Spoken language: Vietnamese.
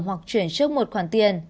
hoặc chuyển trước một khoản tiền